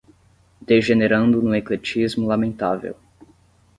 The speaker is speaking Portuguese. degenerando num ecletismo lamentável